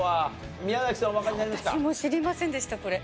私も知りませんでしたこれ。